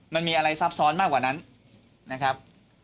มันมีอะไรซับซ้อนมากกว่านั้นนะครับ